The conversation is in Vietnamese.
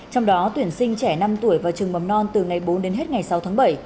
trong đó tuyển sinh trẻ năm tuổi vào trường mầm non từ ngày bốn đến hết ngày sáu tháng bảy